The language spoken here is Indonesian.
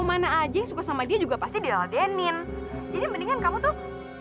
mana aja yang suka sama dia juga pasti diladenin jadi mendingan kamu tuh